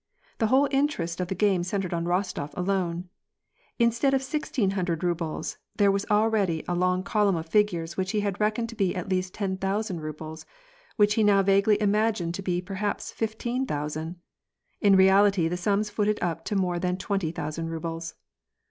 The whole interest of the game centred on Rostof alone. Instead of the sixteen hundred rubles there was already a long column of figures which he had reckoned to be at least ten thousand rubles, and which he now vaguely imagined to be perhaps fifteen thousand. In reality the sums footed up to more than twenty thousand rubles.